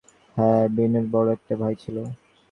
হ্যাঁ, বিনুর বড় একটা ভাই ছিল।